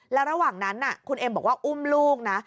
แล้วระหว่างนั้นคุณเอ็มบอกว่าอุ้มลูกนะ